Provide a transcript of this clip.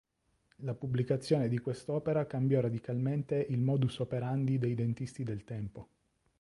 La pubblicazione di questa opera cambiò radicalmente il "modus operandi" dei dentisti del tempo.